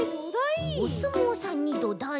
おすもうさんにどだい？